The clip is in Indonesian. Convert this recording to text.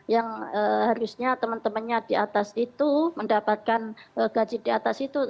yang harusnya teman temannya di atas itu mendapatkan gaji di atas itu